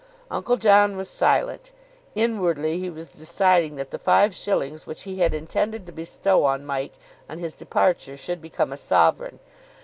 Uncle John was silent. Inwardly he was deciding that the five shillings which he had intended to bestow on Mike on his departure should become a sovereign.